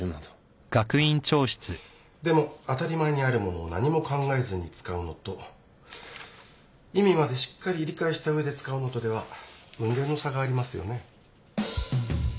でも当たり前にあるものを何も考えずに使うのと意味までしっかり理解した上で使うのとでは雲泥の差がありますよね。